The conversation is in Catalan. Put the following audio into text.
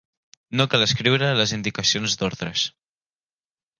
No cal escriure les indicacions d'ordres.